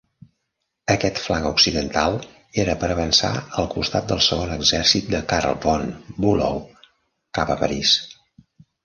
Aquest flanc occidental era per avançar al costat del Segon Exèrcit de Karl von Bülow cap a París.